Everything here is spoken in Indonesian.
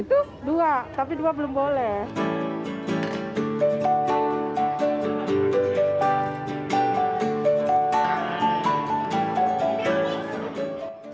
itu dua tapi dua belum boleh